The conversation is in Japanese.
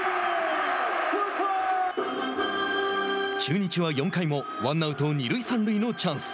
中日は４回もワンアウト二塁三塁のチャンス。